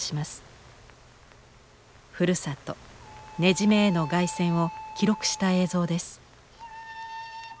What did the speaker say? ふるさと根占への凱旋を記録した映像です。